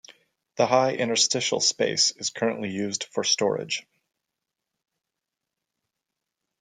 The high interstitial space is currently used for storage.